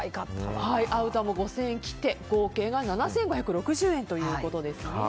アウターも５０００円を切って合計が７５６０円ということです。